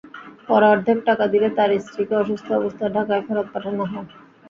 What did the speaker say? পরে অর্ধেক টাকা দিলে তাঁর স্ত্রীকে অসুস্থ অবস্থায় ঢাকায় ফেরত পাঠানো হয়।